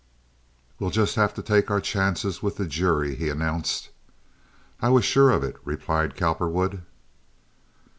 "We'll just have to take our chances with the jury," he announced. "I was sure of it," replied Cowperwood.